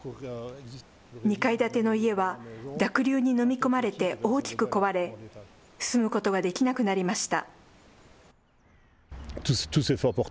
２階建ての家は、濁流に飲み込まれて大きく壊れ、住むことができなくなりました。